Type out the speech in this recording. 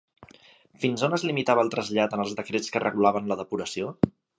Fins on es limitava el trasllat en els decrets que regulaven la depuració?